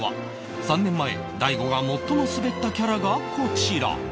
３年前大悟が最もスベったキャラがこちら